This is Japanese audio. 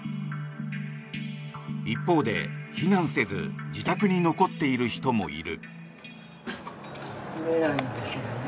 一方で、避難せず自宅に残っている人もいる。